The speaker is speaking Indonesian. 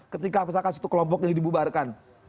ketika misalkan satu kelompok ini dibubarkan